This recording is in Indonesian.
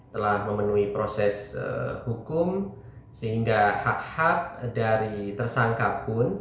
telah memenuhi proses hukum sehingga hak hak dari tersangka pun